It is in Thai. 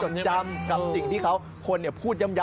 จะจดจำกับสิ่งที่เขาควรพูดย้ำบ่อย